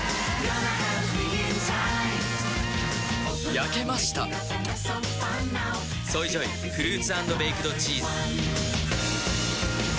焼けました「ＳＯＹＪＯＹフルーツ＆ベイクドチーズ」